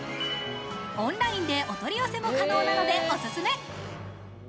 オンラインでお取り寄せも可能なので、おすすめ。